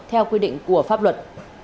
theo quy định của pháp luật